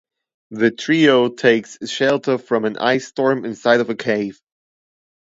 The trio takes shelter from an ice storm inside of a cave.